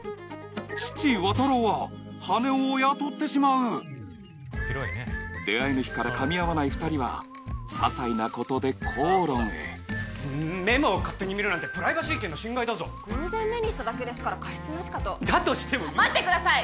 父・綿郎は羽男を雇ってしまう出会いの日からかみ合わない２人はささいなことで口論へメモを勝手に見るなんてプライバシー権の侵害だぞ偶然目にしただけですから過失なしかとだとしても待ってください！